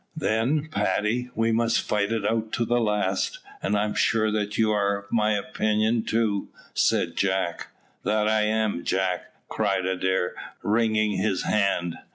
"Then, Paddy, we must fight it out to the last, and I am sure that you are of my opinion too," said Jack. "That I am, Jack," cried Adair, wringing his hand.